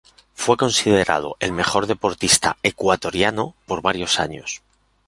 Fue considerado el mejor deportista ecuatoriano por varios años.